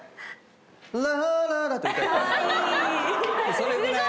それぐらいの。